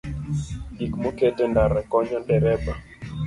Gik moket e ndara konyo dereba